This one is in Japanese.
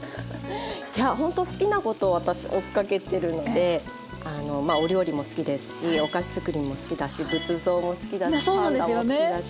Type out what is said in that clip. いやほんと好きなことを私追っかけてるのでまあお料理も好きですしお菓子作りも好きだし仏像も好きだしパンダも好きだし。